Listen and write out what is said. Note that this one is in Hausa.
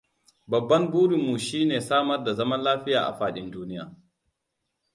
Babban burin mu shi ne samar da zaman lafiya a fadin duniya.